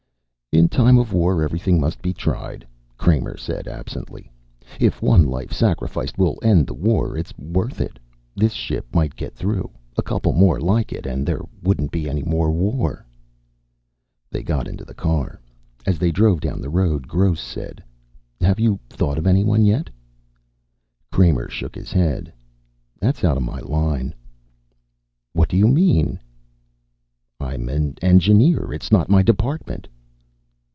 "In time of war everything must be tried," Kramer said absently. "If one life sacrificed will end the war it's worth it. This ship might get through. A couple more like it and there wouldn't be any more war." They got into the car. As they drove down the road, Gross said, "Have you thought of anyone yet?" Kramer shook his head. "That's out of my line." "What do you mean?" "I'm an engineer. It's not in my department."